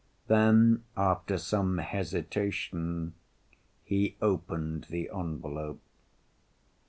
Then, after some hesitation, he opened the envelope.